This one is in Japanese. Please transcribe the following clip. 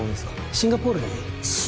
シンガポール？